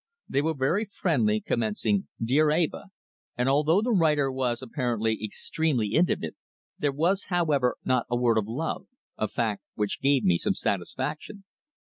They were very friendly, commencing "Dear Eva," and although the writer was apparently extremely intimate, there was, however, not a word of love, a fact which gave me some satisfaction.